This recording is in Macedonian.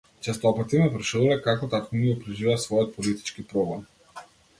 Честопати ме прашувале како татко ми го преживеа својот политички прогон?